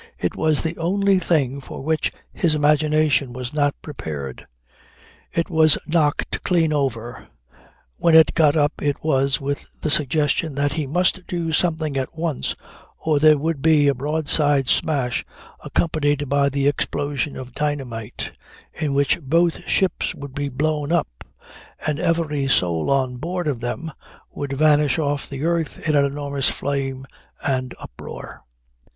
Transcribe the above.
It was the only thing for which his imagination was not prepared. It was knocked clean over. When it got up it was with the suggestion that he must do something at once or there would be a broadside smash accompanied by the explosion of dynamite, in which both ships would be blown up and every soul on board of them would vanish off the earth in an enormous flame and uproar.